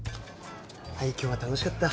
はい今日は楽しかった。